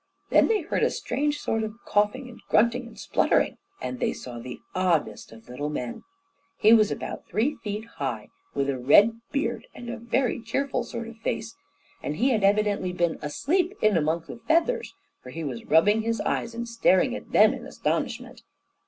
Then they heard a strange sort of coughing and grunting and spluttering, and they saw the oddest of little men. He was about three feet high, with a red beard and a very cheerful sort of face, and he had evidently been asleep in among the feathers, for he was rubbing his eyes and staring at them in astonishment.